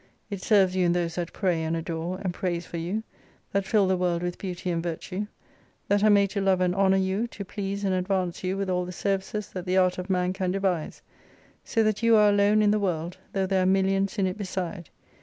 It serves you in those that pray and adore, and praise for you, that fill the world with beauty and virtue ; that are made to love and honour you, to please and advance you with all the services that the art of man can devise. So that you are alone in the world, though there are millions in it beside.